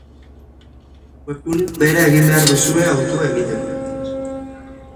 Webgunean behera egin behar duzue hautua egiteko.